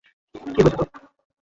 কী হয়েছে তোর?